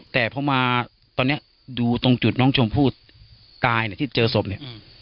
แต่พอมาตอนนี้ดูตรงจุดน้องชมพู่กายเนี่ยที่เจอศพเนี่ย